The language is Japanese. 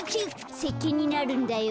せっけんになるんだよ。